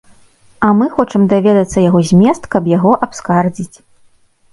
А мы хочам даведацца яго змест, каб яго абскардзіць.